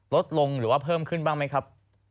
ลดลงหรือว่าเพิ่มขึ้นบ้างไหมครับ